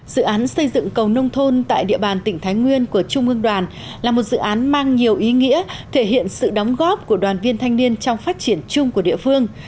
dự án xây dựng cầu nông thôn tại địa bàn tỉnh thái nguyên của trung ương đoàn là một dự án mang nhiều ý nghĩa thể hiện sự đóng góp của đoàn viên thanh niên trong phát triển chung của địa phương